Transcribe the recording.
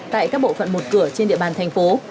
tại các bộ phận một cửa trên địa bàn thành phố